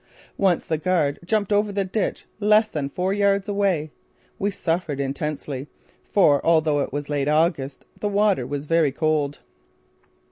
Once the guard jumped over the ditch less than four yards away. We suffered intensely, for, although it was late August, the water was very cold.